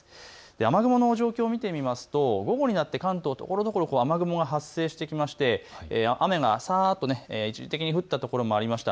雨雲の状況を見てみますと午後になって関東ところどころ雨雲が発生してきまして雨がさっと一時的に降った所もありました。